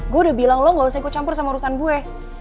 gue udah bilang lo gak usah ikut campur sama urusan gue